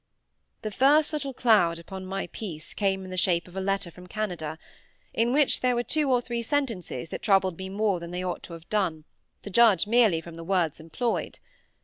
The first little cloud upon my peace came in the shape of a letter from Canada, in which there were two or three sentences that troubled me more than they ought to have done, to judge merely from the words employed.